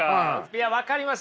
いや分かります